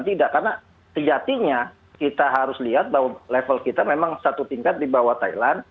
tidak karena sejatinya kita harus lihat bahwa level kita memang satu tingkat di bawah thailand